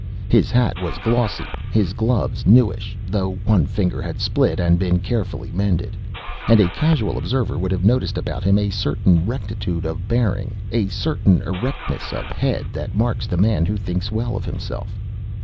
His hat was glossy, his gloves newish though one finger had split and been carefully mended. And a casual observer would have noticed about him a certain rectitude of bearing, a certain erectness of head that marks the man who thinks well of himself.